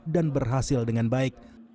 dan berhasil dengan baik